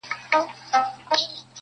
هر اندام يې دوو ټگانو وو ليدلى،